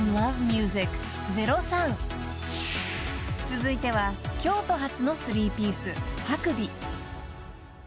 ［続いては京都発のスリーピース］